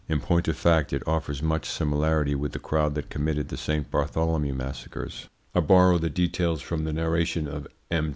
In point of fact it offers much similarity with the crowd that committed the Saint Bartholomew massacres. I borrow the details from the narration of M.